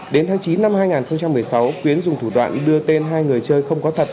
đến tháng chín năm hai nghìn một mươi sáu quyến dùng thủ đoạn đưa tên hai người chơi không có thật